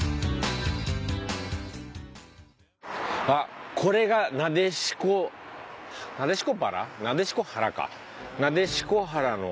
あっこれが撫子「なでしこばら」？